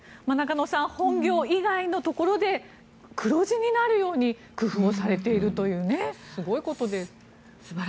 中野さん、本業以外のところで黒字になるように工夫をされているというすごいことです。